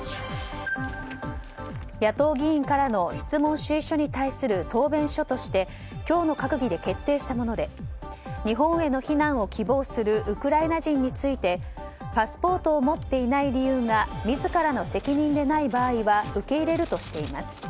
野党議員からの質問主意書に対する答弁書として今日の閣議で決定したもので日本への避難を希望するウクライナ人についてパスポートを持っていない理由が自らの責任でない場合は受け入れるとしています。